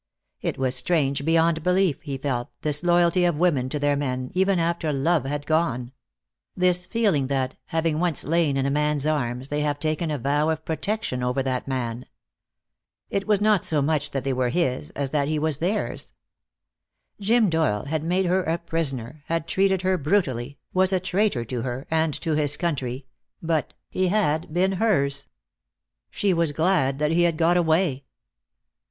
It was strange beyond belief, he felt, this loyalty of women to their men, even after love had gone; this feeling that, having once lain in a man's arms, they have taken a vow of protection over that man. It was not so much that they were his as that he was theirs. Jim Doyle had made her a prisoner, had treated her brutally, was a traitor to her and to his country, but he had been hers. She was glad that he had got away.